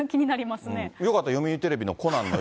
よかったら読売テレビのコナ